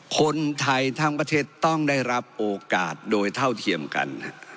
คนไทยทั้งประเทศต้องได้รับโอกาสโดยเท่าเทียมกัน